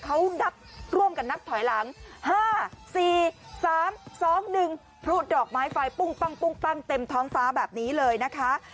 เขานับร่วมกันนับถอยหลัง๕๔๓๒๑พลุดอกไม้ไฟปุ้งปั้งเต็มท้องฟ้าแบบนี้เลยนะคะ